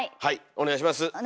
お願いします。